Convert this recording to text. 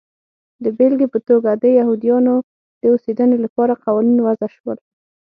د بېلګې په توګه د یهودیانو د اوسېدنې لپاره قوانین وضع شول.